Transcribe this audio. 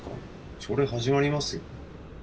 朝礼はじまりますよ。